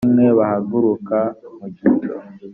kumwe bahaguruka mu gico